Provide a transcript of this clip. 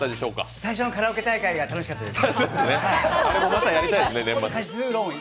最初のカラオケ大会が楽しかったです。